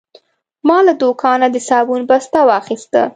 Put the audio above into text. ما له دوکانه د صابون بسته واخیسته.